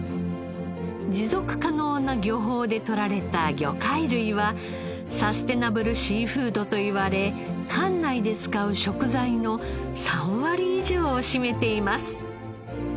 持続可能な漁法で取られた魚介類はサステナブルシーフードといわれ館内で使う食材の３割以上を占めています。